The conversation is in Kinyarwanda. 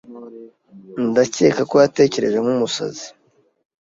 Ndakeka ko yatekereje nk umusazi.